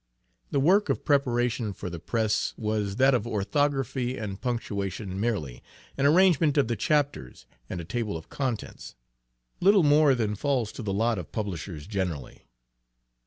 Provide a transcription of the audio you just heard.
The work of preparation for the press was that of orthography and punctuation merely, an arrangement of the chapters, and a table of contents little more than falls to the lot of publishers generally.